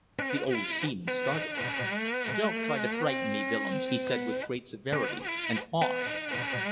The old seaman started. "Don't try to frighten me, Willems," he said, with great severity, and paused.